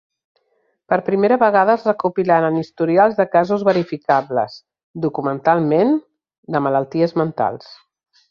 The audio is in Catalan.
Per primera vegada es recopilaren historials de casos verificables, documentalment, de malalties mentals.